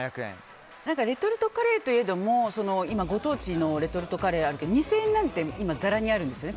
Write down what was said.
レトルトカレーといえども今、ご当地のレトルトカレーあるけど２０００円なんて今、ざらにあるんですよね。